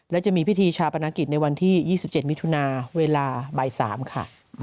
และจะมีพิธีชาปนกิจในวันที่๒๗มิถุนาเวลาบ่าย๓ค่ะ